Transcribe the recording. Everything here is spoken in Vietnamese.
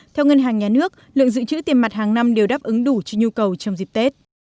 theo ngân hàng nhà nước lượng dự trữ tiền mặt hàng năm đều đáp ứng đủ cho nhu cầu trong dịp tết